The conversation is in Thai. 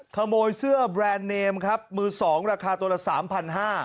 ขโมยเสื้อแบรนด์เนมครับมือ๒ราคาตัวละ๓๕๐๐บาท